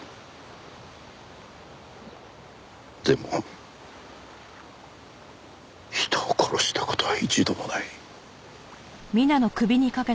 でも人を殺した事は一度もない。